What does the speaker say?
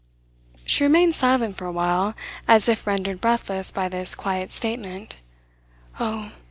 She remained silent for a while, as if rendered breathless by this quiet statement. "Oh!